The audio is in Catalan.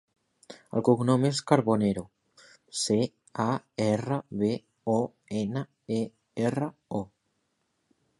El cognom és Carbonero: ce, a, erra, be, o, ena, e, erra, o.